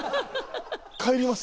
帰ります。